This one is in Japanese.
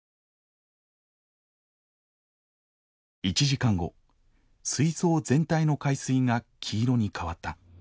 １時間後水槽全体の海水が黄色に変わった。